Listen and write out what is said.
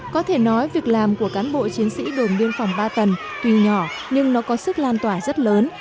có thể nói việc làm của cán bộ chiến sĩ đồn biên phòng ba tầng tuy nhỏ nhưng nó có sức lan tỏa rất lớn